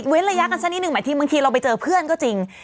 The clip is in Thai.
ระยะกันสักนิดหนึ่งหมายถึงบางทีเราไปเจอเพื่อนก็จริง